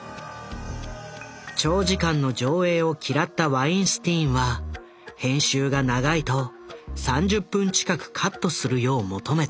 長時間の上映を嫌ったワインスティーンは編集が長いと３０分近くカットするよう求めた。